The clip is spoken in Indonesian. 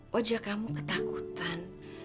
wajah kamu ketakutan